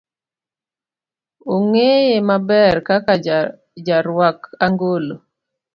Ong'eye maber kaka jaruak angolo.